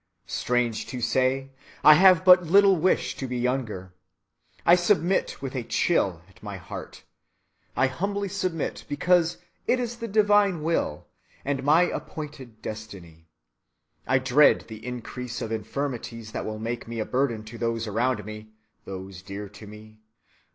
Strange to say, I have but little wish to be younger. I submit with a chill at my heart. I humbly submit because it is the Divine Will, and my appointed destiny. I dread the increase of infirmities that will make me a burden to those around me, those dear to me.